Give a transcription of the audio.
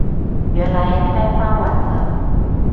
原來開發完了